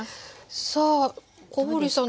さあ小堀さん